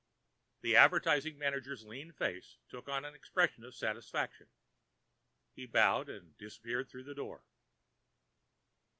The advertising manager's lean face took on an expression of satisfaction. He bowed and disappeared through the door.